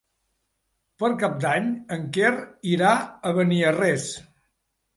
Per Cap d'Any en Quer irà a Beniarrés.